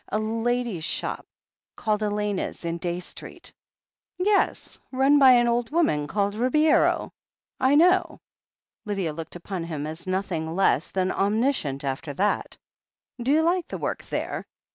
"A ladies' shop, called Elena's, in Day Street." "Yes — run by an .old woman called Ribeiro. I know." Lydia looked upon him as nothing less than omnis cient after that. "D'you like the work there